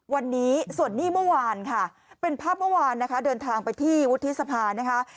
วันนี้ส่วนนี้เมื่อวานค่ะเป็นภาพเมื่อวานนะคะเดินทางไปที่วุฒิสภานะคะ